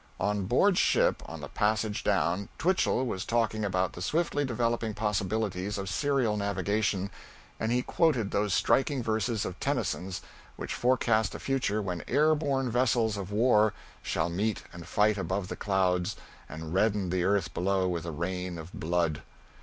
On board ship, on the passage down, Twichell was talking about the swiftly developing possibilities of aerial navigation, and he quoted those striking verses of Tennyson's which forecast a future when air borne vessels of war shall meet and fight above the clouds and redden the earth below with a rain of blood.